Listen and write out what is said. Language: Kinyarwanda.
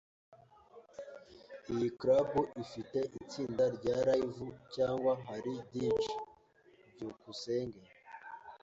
Iyi club ifite itsinda rya Live, cyangwa hari DJ? byukusenge